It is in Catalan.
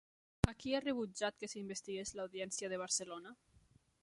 A qui ha rebutjat que s'investigués l'Audiència de Barcelona?